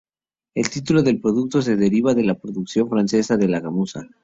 El título del producto se deriva de la pronunciación francesa de la gamuza.